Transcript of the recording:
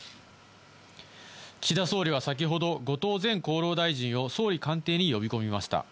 岸田総理は先ほど後藤前厚労大臣を総理官邸に呼び込みました。